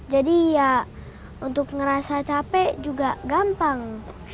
jadi ya untuk ngerasa capek juga gampang